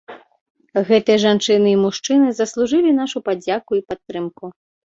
Гэтыя жанчыны і мужчыны заслужылі нашу падзяку і падтрымку.